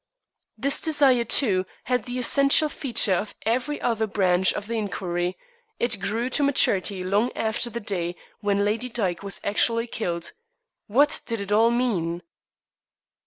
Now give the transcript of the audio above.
This desire, too, had the essential feature of every other branch of the inquiry; it grew to maturity long after the day when Lady Dyke was actually killed. What did it all mean?